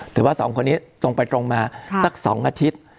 สองคนนี้ตรงไปตรงมาสัก๒อาทิตย์